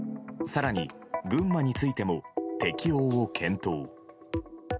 更に群馬についても適用を検討。